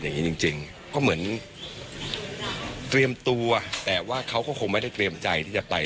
อย่างนี้จริงจริงก็เหมือนเตรียมตัวแต่ว่าเขาก็คงไม่ได้เตรียมใจที่จะไป